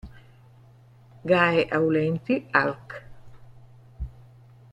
Gae Aulenti, arch.